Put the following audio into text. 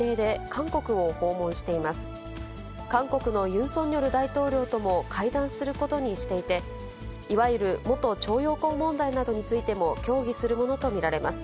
韓国のユン・ソンニョル大統領とも会談することにしていて、いわゆる元徴用工問題などについても協議するものと見られます。